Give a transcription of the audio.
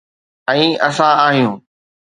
۽ اسان آهيون.